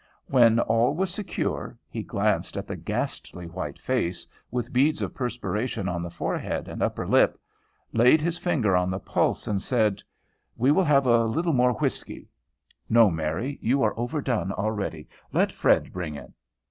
When all was secure, he glanced at the ghastly white face, with beads of perspiration on the forehead and upper lip, laid his finger on the pulse, and said: "We will have a little more whiskey. No, Mary, you are overdone already; let Fred bring it."